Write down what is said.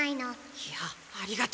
いやありがとう。